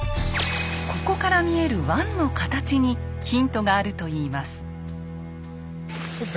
ここから見える湾のかたちにヒントがあるといいます。